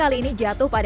oke iu semakin murah ya